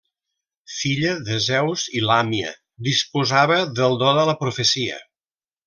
Filla de Zeus i Làmia, disposava del do de la profecia.